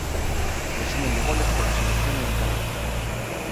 Resumen de Goles con la Selección de Nicaragua.